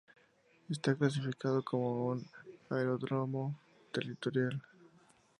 Está clasificado como un aeródromo territorial.